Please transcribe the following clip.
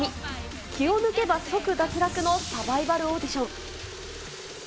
気を抜けば即脱落のサバイバルオーディション。